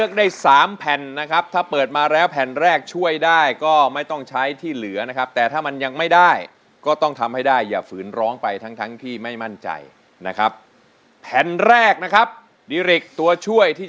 แทบจะไม่เคยฟังเลยครับแทบจะไม่เคยฟังเลยครับแทบจะไม่เคยฟังเลยครับแทบจะไม่เคยฟังเลยครับแทบจะไม่เคยฟังเลยครับแทบจะไม่เคยฟังเลยครับแทบจะไม่เคยฟังเลยครับแทบจะไม่เคยฟังเลยครับแทบจะไม่เคยฟังเลยครับแทบจะไม่เคยฟังเลยครับแทบจะไม่เคยฟังเลยครับแทบจะไม่เคยฟังเลยครับแทบจะไม่เคยฟังเลยครับแทบจะไม่เคยฟังเลย